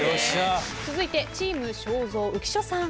続いてチーム正蔵浮所さん。